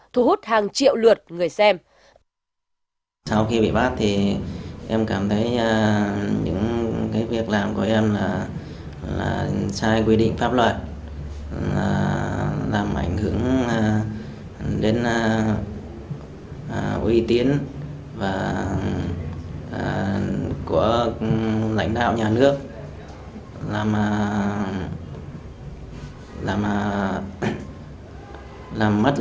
thu hút hàng triệu lượt người xem